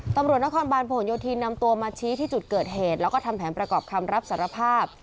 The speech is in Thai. ตำรวจนครบาลผลโยธินนำตัวมาชี้ที่จุดเกิดเหตุแล้วก็ทำแผนประกอบคำรับสารภาพ